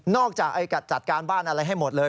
จากจัดการบ้านอะไรให้หมดเลย